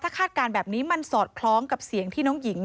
คาดการณ์แบบนี้มันสอดคล้องกับเสียงที่น้องหญิง